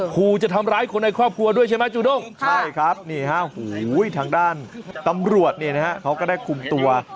ขู่จะทำร้ายคนในครอบครัวด้วยใช่ไหมจูด้งใช่ครับนี่ฮะทางด้านตำรวจเนี่ยนะฮะเขาก็ได้คุมตัว